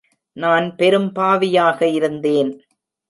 நான் பெரும் பாவியாக இருந்தேன்.